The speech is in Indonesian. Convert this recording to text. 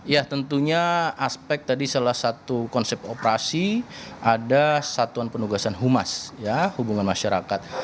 ya tentunya aspek tadi salah satu konsep operasi ada satuan penugasan humas ya hubungan masyarakat